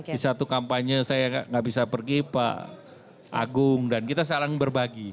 di satu kampanye saya nggak bisa pergi pak agung dan kita saling berbagi